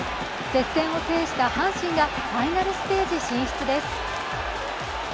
接戦を制した阪神がファイナルステージ進出です。